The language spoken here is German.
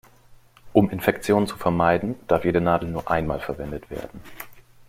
Um Infektionen zu vermeiden, darf jede Nadel nur einmal verwendet werden.